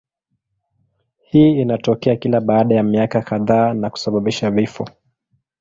Hii inatokea kila baada ya miaka kadhaa na kusababisha vifo.